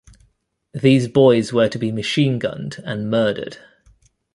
These boys were to be machine gunned and murdered.